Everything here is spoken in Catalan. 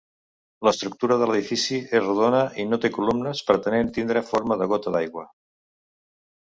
L'estructura de l'edifici és redona i no té columnes pretenent tindre forma de gota d'aigua.